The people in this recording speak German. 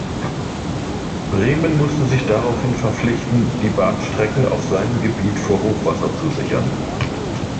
Bremen musste sich daraufhin verpflichten, die Bahnstrecken auf seinem Gebiet vor Hochwasser zu sichern.